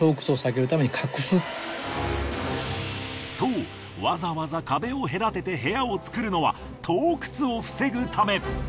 そうわざわざ壁を隔てて部屋を作るのは盗掘を防ぐため。